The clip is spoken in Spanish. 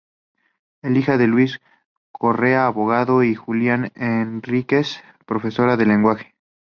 Es hija de Luis Correa, abogado, y Julia Henríquez, profesora de lenguaje.